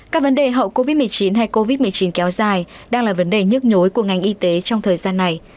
các vấn đề hậu covid một mươi chín hay covid một mươi chín kéo dài đang là vấn đề nhức nhối của ngành y tế trong thời gian này